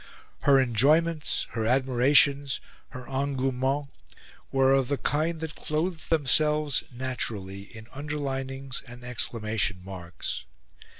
Her enjoyments, her admirations, her engouements were of the kind that clothed themselves naturally in underlinings and exclamation marks.